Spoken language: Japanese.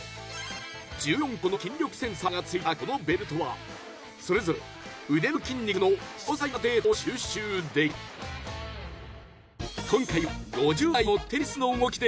１４個の筋力センサーがついたこのベルトはそれぞれ腕の筋肉の詳細なデータを収集できる。